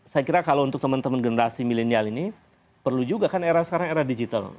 saya kira kalau untuk teman teman generasi milenial ini perlu juga kan era sekarang era digital